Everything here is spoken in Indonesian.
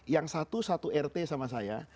yang satu satu rt sama saya